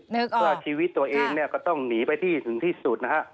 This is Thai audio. นึกออกก็ชีวิตตัวเองก็ต้องหนีไปที่สุดนะครับ